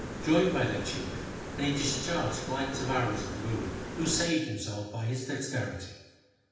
Joined by their Chief they discharged flights of arrows at the Guru, who saved himself by his dexterity.